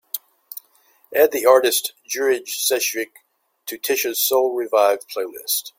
Add the artist Jurij Szewczuk to tisha's soul revived playlist.